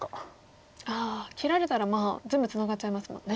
切られたら全部ツナがっちゃいますもんね。